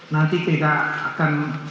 nanti tidak akan